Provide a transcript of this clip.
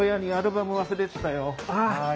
はい。